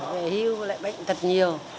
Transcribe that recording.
về hưu lại bệnh thật nhiều